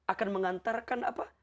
akan mengantarkan apa